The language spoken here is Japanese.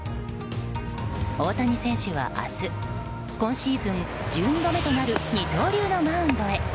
大谷選手は明日今シーズン１２度目となる二刀流のマウンドへ。